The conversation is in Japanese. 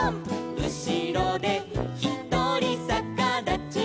「うしろでひとりさかだちルー」